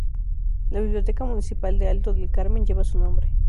La biblioteca municipal de Alto del Carmen, lleva su nombre.